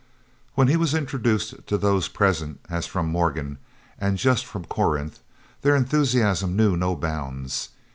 When he was introduced to those present as from Morgan, and just from Corinth, their enthusiasm knew no bounds.